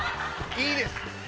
◆いいです。